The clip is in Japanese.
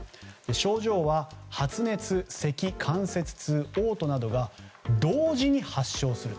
症状は発熱、せき、関節痛嘔吐などが同時に発症する。